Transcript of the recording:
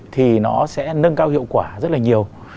thì nó sẽ nâng cao hiệu quả rất là nhiều